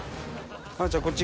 愛菜ちゃんこっち